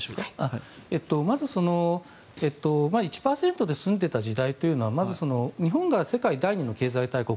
まず、１％で済んでいた時代というのは日本が第２の経済大国